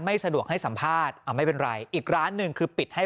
สะดวกให้สัมภาษณ์เอาไม่เป็นไรอีกร้านหนึ่งคือปิดให้